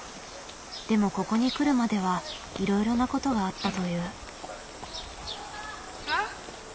でもここに来るまではいろいろなことがあったという。